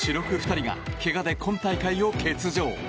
２人がけがで今大会を欠場。